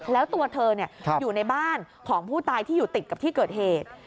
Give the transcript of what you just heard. แล้วตัวเธออยู่ในบ้านของผู้ตายที่อยู่ติดกับที่เกิดเหตุ